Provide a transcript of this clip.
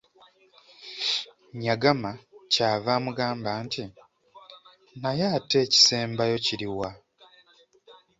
Nyagama ky'ava amugamba nti, naye ate ekisembayo kiri wa?